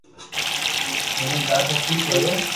تو ھون ڌادو خوݾ ھويو